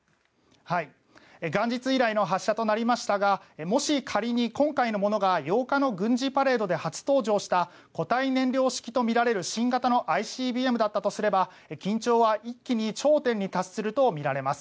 元日以来の発射となりましたがもし仮に今回のものが８日の軍事パレードで初登場した固体燃料式とみられる新型のＩＣＢＭだったとすれば緊張は一気に頂点に達するとみられます。